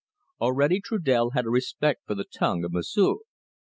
Already Trudel had a respect for the tongue of M'sieu'.